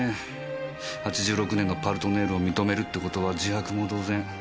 ８６年の「パルトネール」を認めるって事は自白も同然。